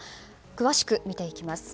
詳しく見ていきます。